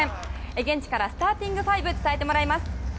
現地からスターティングファイブ伝えてもらいます。